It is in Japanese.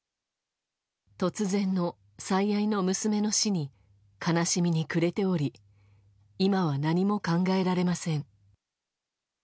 突然の最愛の娘の死に悲しみに暮れており今は何も考えられません。